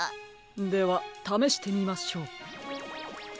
ではためしてみましょう。